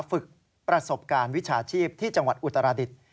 ฝึกประสบการณ์วิชาชีพที่จังหวัดอุตรดิษฐ์